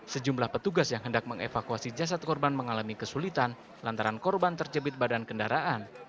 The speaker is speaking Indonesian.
sejumlah petugas yang hendak mengevakuasi jasad korban mengalami kesulitan lantaran korban terjepit badan kendaraan